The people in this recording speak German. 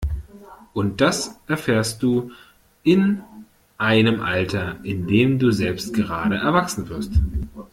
Und das erfährst du in einem Alter, in dem du selbst gerade erwachsen wirst.